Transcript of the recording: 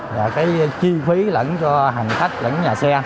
và cái chi phí lẫn cho hành khách lẫn nhà xe